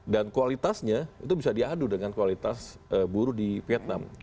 dan kualitasnya itu bisa diadu dengan kualitas buruh di vietnam